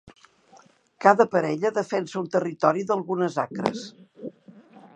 Cada parella defensa un territori d'algunes acres.